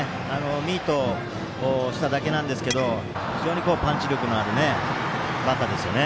ミートしただけなんですけど非常にパンチ力のあるバッターですよね。